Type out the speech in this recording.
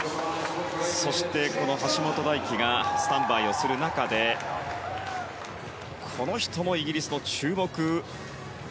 そして橋本大輝がスタンバイをする中でこの人もイギリスの注目